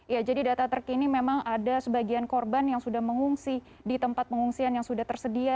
ya jadi data terkini memang ada sebagian korban yang sudah mengungsi di tempat pengungsian yang sudah tersedia